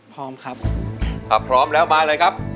จะใช้หรือไม่ใช้ครับ